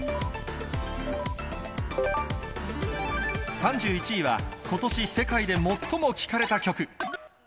３１位は、今年世界でもっとも聴かれた曲。